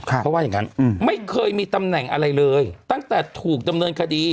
เพราะว่าอย่างงั้นไม่เคยมีตำแหน่งอะไรเลยตั้งแต่ถูกดำเนินคดี